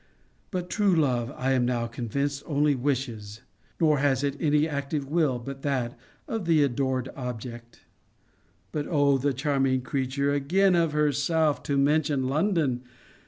But true love, I am now convinced, only wishes: nor has it any active will but that of the adored object. But, O the charming creature, again of herself to mention London!